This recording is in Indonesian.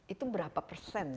itu berapa persen